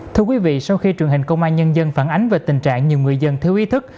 thưa quý vị sau khi truyền hình công an nhân dân phản ánh về tình trạng nhiều người dân thiếu ý thức